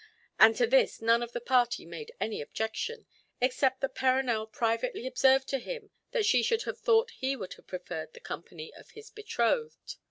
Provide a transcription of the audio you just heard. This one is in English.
And to this none of the party made any objection, except that Perronel privately observed to him that she should have thought he would have preferred the company of his betrothed.